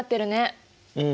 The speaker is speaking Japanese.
うん。